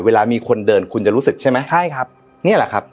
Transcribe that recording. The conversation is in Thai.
เวลามีคนเดินคุณจะรู้สึกใช่ไหมใช่ครับนี่แหละครับ